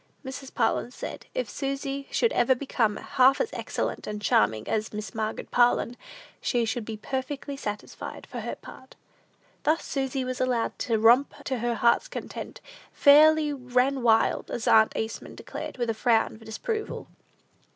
Mrs. Parlin said, if Susy should ever become half as excellent and charming as Miss Margaret Parlin, she should be perfectly satisfied, for her part. Thus Susy was allowed to romp to her heart's content; "fairly ran wild," as aunt Eastman declared, with a frown of disapproval.